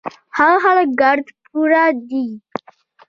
هغه خلک ګړد پوره دي